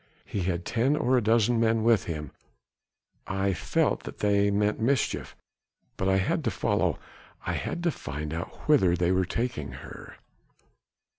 He had ten or a dozen men with him. I felt that they meant mischief but I had to follow ... I had to find out whither they were taking her...."